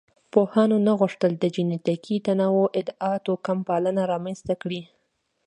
پوهانو نه غوښتل د جینټیکي تنوع ادعا توکمپالنه رامنځ ته کړي.